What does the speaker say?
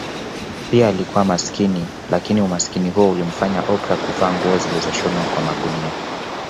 Pia alikuwa masikini lakini Umasikini huo ulimfanya Oprah kuvaa nguo zilizoshonwa kwa magunia